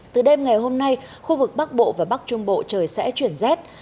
từ đêm ngày hôm nay khu vực bắc bộ và bắc trung bộ trời sẽ chuyển rét